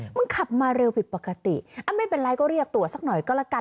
มันขับมาเร็วผิดปกติไม่เป็นไรก็เรียกตัวสักหน่อยก็แล้วกัน